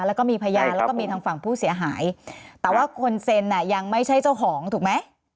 แล้วก็มีพยานแล้วก็มีทางฝั่งผู้เสียหายแต่ว่าคนเซ็นอ่ะยังไม่ใช่เจ้าของถูกไหม